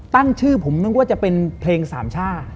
ตั้งชื่อผมนึกว่าจะเป็นเพลงสามช่า